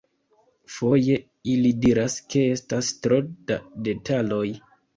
Foje, ili diras ke estas tro da detaloj.